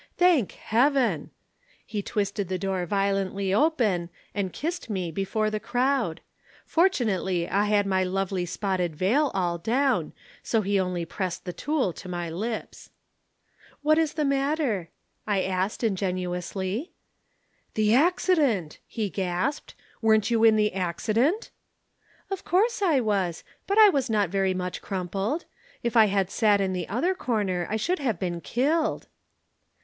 'Thank Heaven!' He twisted the door violently open and kissed me before the crowd. Fortunately I had my lovely spotted veil all down, so he only pressed the tulle to my lips. "'What is the matter?' I said ingenuously. "'The accident!' he gasped. Weren't you in the accident?' "'Of course I was. But I was not very much crumpled. If I had sat in the other corner I should have been killed!"